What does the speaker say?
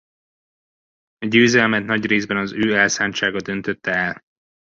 A győzelmet nagy részben az ő elszántsága döntötte el.